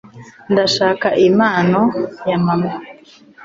Ndashaka impano ya mama.